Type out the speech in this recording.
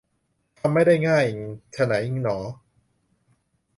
ทำไม่ได้ง่าย ไฉนหนอ